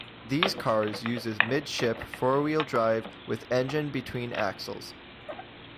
These cars uses mid-ship, four-wheel drive, with engine between axles.